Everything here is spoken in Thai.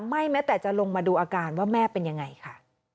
แม้แต่จะลงมาดูอาการว่าแม่เป็นยังไงค่ะ